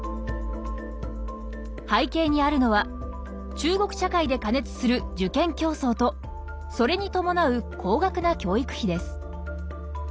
背景にあるのは中国社会で過熱する受験競争とそれに伴う高額な教育費です。